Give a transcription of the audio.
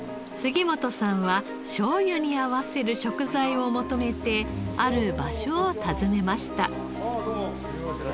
杉本さんはしょうゆに合わせる食材を求めてある場所を訪ねました。